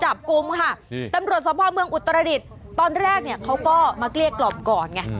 จับกลุ่มค่ะตำรวจสภาพเมืองอุตรดิษฐ์ตอนแรกเนี่ยเขาก็มาเกลี้ยกล่อมก่อนไง